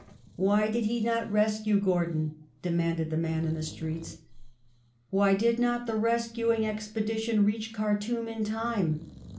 Why did he not rescue Gordon ? demanded the man in the streets. Why did not the rescuing expedi tion reach Khartoum in time?